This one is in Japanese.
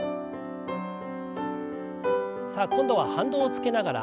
さあ今度は反動をつけながら。